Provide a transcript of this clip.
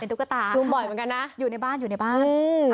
ตุ๊กตาซูมบ่อยเหมือนกันนะอยู่ในบ้านอยู่ในบ้าน